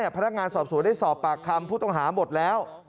พนักงานสอบสวนได้สอบปากคำผู้ต้องหาหมดแล้ว